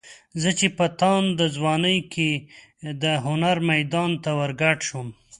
زه چې په تانده ځوانۍ کې د هنر میدان ته ورګډ شوم.